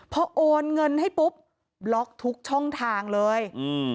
พอโอนเงินให้ปุ๊บบล็อกทุกช่องทางเลยอืม